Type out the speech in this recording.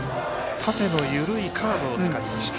縦の緩いカーブを使いました。